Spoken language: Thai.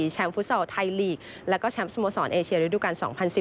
แชมป์ฟุตซอลไทยลีกและแชมป์สโมสรเอเชียด้วยดูกัน๒๐๑๗